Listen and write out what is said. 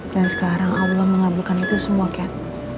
dan sekarang allah mengabulkan itu semua kat